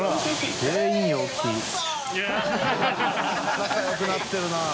仲良くなってるな。